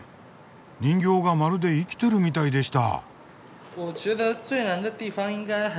人形がまるで生きてるみたいでした。